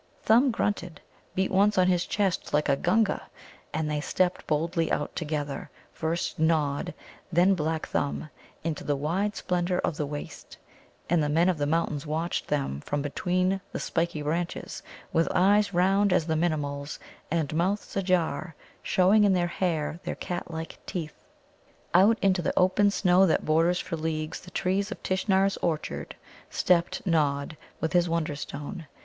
Thumb grunted, beat once on his chest like a Gunga, and they stepped boldly out together, first Nod, then black Thumb, into the wide splendour of the waste. And the Men of the Mountains watched them from between the spiky branches, with eyes round as the Minimuls', and mouths ajar, showing in their hair their catlike teeth. Out into the open snow that borders for leagues the trees of Tishnar's orchard stepped Nod, with his Wonderstone.